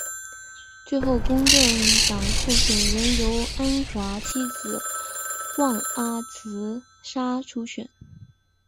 最后公正党候选人由安华妻子旺阿兹莎出选。